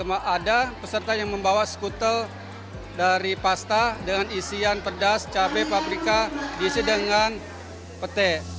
ada peserta yang membawa skutel dari pasta dengan isian pedas cabai paprika diisi dengan petai